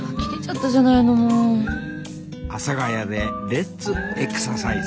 阿佐ヶ谷でレッツエクササイズ